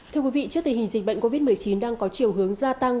thưa quý vị trước tình hình dịch bệnh covid một mươi chín đang có chiều hướng gia tăng